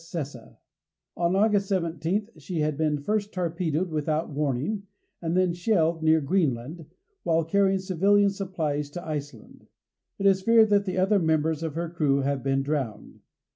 SESSA. On August seventeenth, she had been first torpedoed without warning, and then shelled, near Greenland, while carrying civilian supplies to Iceland. It is feared that the other members of her crew have been drowned.